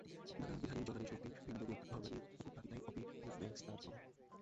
নানাবিধানি জলানি সন্তি ভিন্নগুণ-ধর্মাণি উপপ্লাবিতায়া অপি ভূমেস্তারতম্যাৎ।